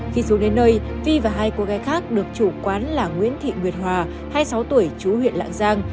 khi xuống đến nơi vi và hai cô gái khác được chủ quán là nguyễn thị nguyệt hòa hai mươi sáu tuổi chú huyện lạng giang